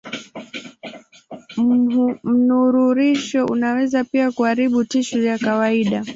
Mnururisho unaweza pia kuharibu tishu ya kawaida.